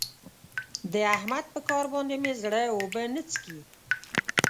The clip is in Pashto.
د احمد په کار باندې مې زړه اوبه نه څښي.